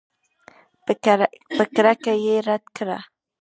په کرکه یې رد کړه.